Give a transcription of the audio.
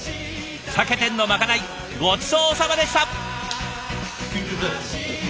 酒店のまかないごちそうさまでした。